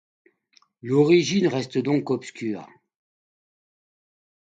L'origine reste donc obscure.